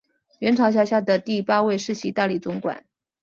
元朝辖下的第八位世袭大理总管。